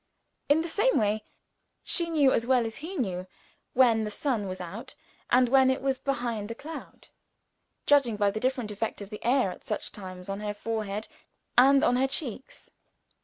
In the same way, she knew as well as he knew, when the sun was out and when it was behind a cloud judging by the differing effect of the air, at such times, on her forehead and on her cheeks.